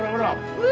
うわ！